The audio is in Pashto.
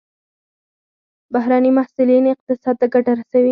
بهرني محصلین اقتصاد ته ګټه رسوي.